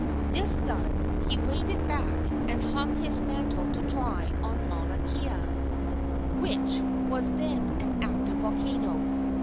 This done, he waded back and hung his mantle to dry on Mauna Kea, which was then an active volcano.